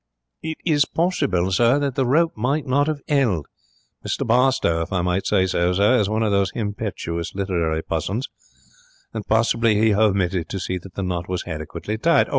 'It is possible, sir, that the rope might not have 'eld. Mr Barstowe, if I might say so, sir, is one of those himpetuous literary pussons, and possibly he homitted to see that the knot was hadequately tied.